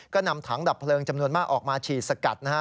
ก็นำถังดับเพลิงจำนวนมากออกมาฉีดสกัดนะฮะ